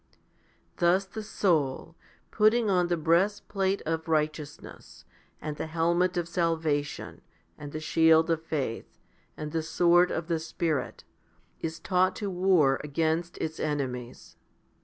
Thus the soul, putting on the breastplate of righteousness, and the helmet of salvation, and the shield of faith, and the sword of the Spirit? is taught to war against its enemies.